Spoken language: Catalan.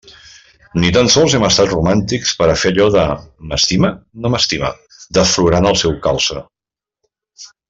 Ni tan sols hem estat romàntics per a fer allò de «m'estima, no m'estima» desflorant el seu calze.